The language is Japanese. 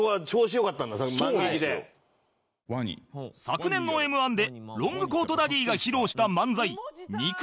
昨年の Ｍ−１ でロングコートダディが披露した漫才「肉うどん」